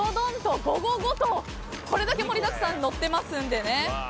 これだけ盛りだくさんにのっていますのでね。